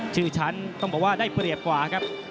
ชื่อฉันต้องบอกว่าได้เปรียบกว่าครับ